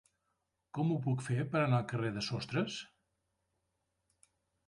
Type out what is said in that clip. Com ho puc fer per anar al carrer de Sostres?